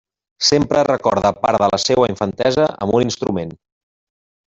Sempre recorda part de la seua infantesa amb un instrument.